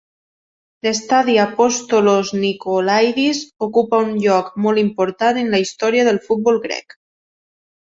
L'estadi Apostolos Nikolaidis ocupa un lloc molt important en la història del futbol grec.